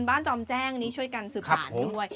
จอมแจ้งนี้ช่วยกันสืบสารด้วย